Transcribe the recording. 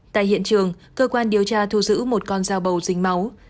tại hiện trường cơ quan điều tra thu giữ một con dao bầu dính máu